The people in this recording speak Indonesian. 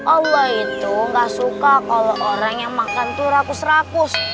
allah itu gak suka kalau orang yang makan tuh rakus rakus